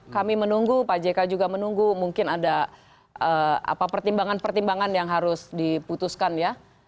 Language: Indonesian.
kami menunggu pak jk juga menunggu mungkin ada pertimbangan pertimbangan yang harus diputuskan ya